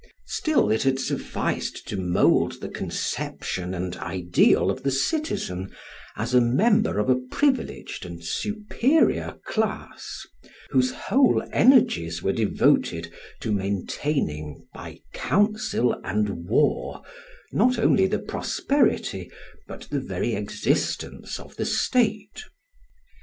Still, it had sufficed to mould the conception and ideal of the citizen as a member of a privileged and superior class, whose whole energies were devoted to maintaining, by council and war, not only the prosperity, but the very existence of the state.